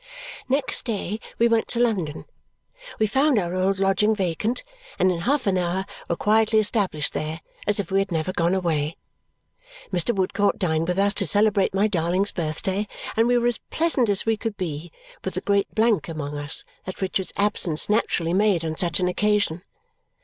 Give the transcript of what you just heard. Next day we went to London. We found our old lodging vacant, and in half an hour were quietly established there, as if we had never gone away. Mr. Woodcourt dined with us to celebrate my darling's birthday, and we were as pleasant as we could be with the great blank among us that Richard's absence naturally made on such an occasion.